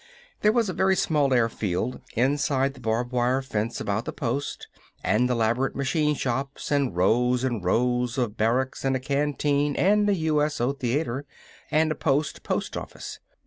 There was a very small airfield inside the barbed wire fence about the post, and elaborate machine shops, and rows and rows of barracks and a canteen and a USO theatre, and a post post office.